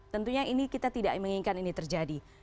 tentunya ini kita tidak menginginkan ini terjadi